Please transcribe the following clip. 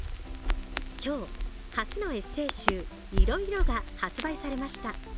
今日、初のエッセイ集「いろいろ」が発売されました。